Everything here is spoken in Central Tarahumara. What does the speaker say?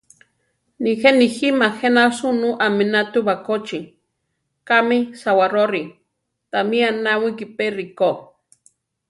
Nijé nijíma jéna sunú aminá tu bakóchi, kami Sawaróri, támi anáwiki pe ríko.